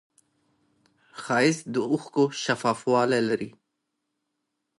ښایست د اوښکو شفافوالی لري